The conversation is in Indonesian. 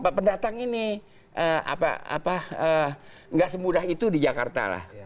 para pendatang ini apa apa gak semudah itu di jakarta lah